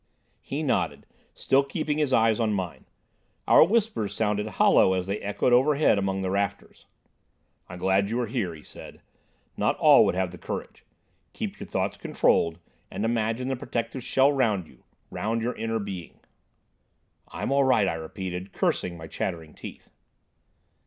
He nodded, still keeping his eyes on mine. Our whispers sounded hollow as they echoed overhead among the rafters. "I'm glad you are here," he said. "Not all would have the courage. Keep your thoughts controlled, and imagine the protective shell round you—round your inner being." "I'm all right," I repeated, cursing my chattering teeth.